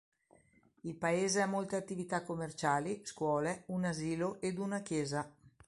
Il paese ha molte attività commerciali, scuole, un asilo ed una chiesa.